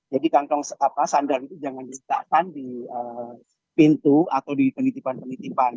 jadi kantong sandal itu jangan disetakan di pintu atau di penitipan penitipan